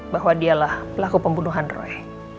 bahwa dialah pelaku pembunuhan roy